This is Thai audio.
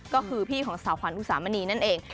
ก็คือพี่ของสาวขวัญอุสามณีนั่นเอง